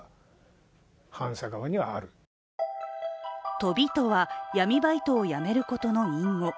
飛びとは、闇バイトを辞めることの隠語。